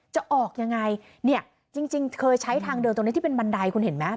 จะออกยังไงเนี่ยจริงเคยใช้ทางเดินตรงนี้ที่เป็นบันไดคุณเห็นไหม